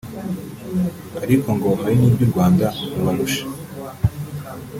ariko ngo hari n’ibyo u Rwanda rubarusha